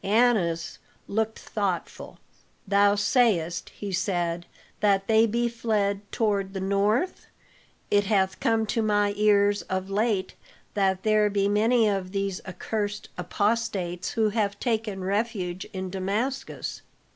Annas looked thoughtful. "Thou sayest," he said, "that they be fled towards the north. It hath come to my ears of late that there be many of these accursed apostates who have taken refuge in Damascus.